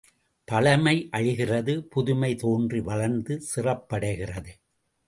பழமை அழிகிறது புதுமை தோன்றி வளர்ந்து சிறப்படைகிறது.